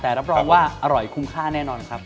แต่รับรองว่าอร่อยคุ้มค่าแน่นอนครับ